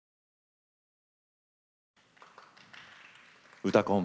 「うたコン」